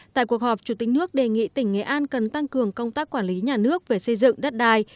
tại cuộc họp chủ tịch nước đề nghị tỉnh nghệ an cần tăng cường công tác quản lý nhà nước về xây dựng đất đai